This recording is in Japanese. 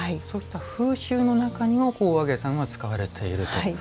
そういった風習の中にもお揚げさんは使われていると。